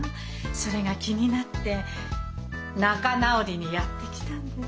それが気になって仲直りにやって来たんです。